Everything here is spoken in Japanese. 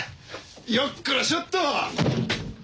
よっこらしょっと。